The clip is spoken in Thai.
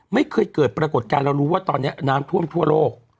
ไม่เคยเกิดปรากฏการณ์เรารู้ว่าตอนนี้น้ำท่วมทั่วโลก